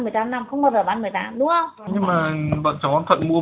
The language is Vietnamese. một mươi tám năm triệu đồng một thùng khẩu trang